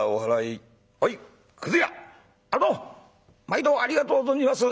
毎度ありがとう存じます。